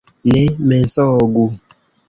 Ne mensogu!